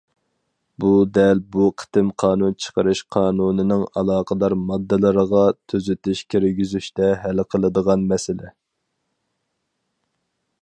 بۇ دەل بۇ قېتىم قانۇن چىقىرىش قانۇنىنىڭ ئالاقىدار ماددىلىرىغا تۈزىتىش كىرگۈزۈشتە ھەل قىلىدىغان مەسىلە.